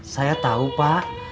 saya tau pak